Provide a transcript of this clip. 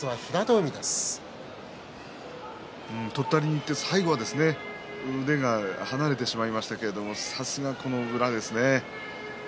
とったりにいって最後は腕が離れてしまいましたけどもさすが宇良ですね